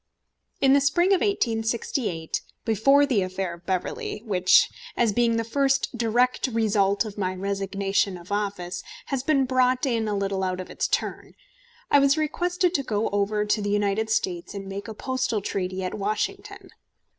In the spring of 1868, before the affair of Beverley, which, as being the first direct result of my resignation of office, has been brought in a little out of its turn, I was requested to go over to the United States and make a postal treaty at Washington.